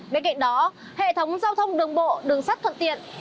bên cạnh đó hệ thống giao thông đường bộ đường sắt thuận tiện